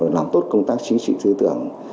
rồi làm tốt công tác chí trị tư tưởng